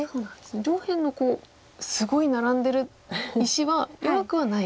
上辺のすごい並んでる石は弱くはない？